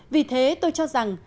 vì thế tôi cho rằng